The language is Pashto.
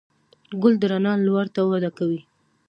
ګل د رڼا لور ته وده کوي.